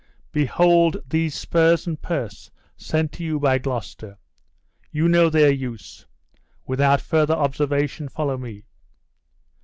Behold these spurs and purse sent to you by Gloucester. You know their use. Without further observation follow me."